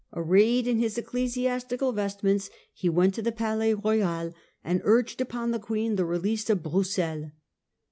Arrayed in his ecclesiastical vestments he went to the Palais Royal and urged upon the Queen the release of Broussel.